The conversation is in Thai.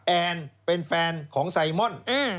แอนเป็นแฟนของไซมอน